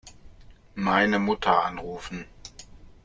Meine Mutter anrufen.